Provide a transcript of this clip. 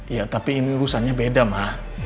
ya tapi ini urusannya beda mah